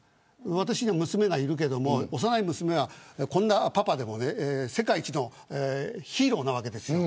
私には娘がいるけど幼い娘は、こんなパパでも世界一のヒーローなわけですよ。